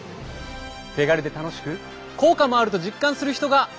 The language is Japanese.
手軽で楽しく効果もあると実感する人が多かったんだ。